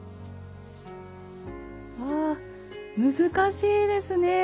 わあ難しいですね。